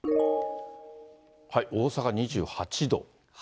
大阪２８度。